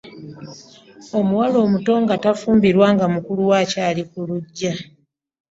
Omuwala omuto nga tafumbirwa nga mukulu we akyali ku luggya.